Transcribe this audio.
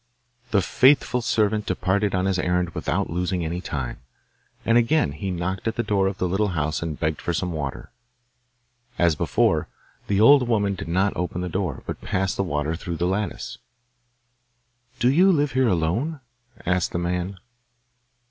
The faithful servant departed on his errand without losing any time, and again he knocked at the door of the little house and begged for some water. As before, the old woman did not open the door, but passed the water through the lattice. 'Do you live here alone?' asked the man.